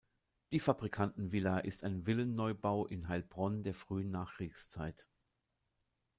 Die Fabrikantenvilla ist ein Villen-Neubau in Heilbronn der frühen Nachkriegszeit.